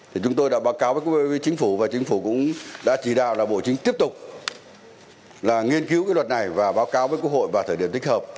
thì chúng tôi đã báo cáo với quốc hội với chính phủ và chính phủ cũng đã chỉ đào là bộ chính tiếp tục là nghiên cứu cái luật này và báo cáo với quốc hội vào thời điểm tích hợp